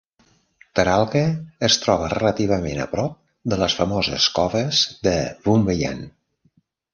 Taralga es troba relativament a prop de les famoses coves de Wombeyan.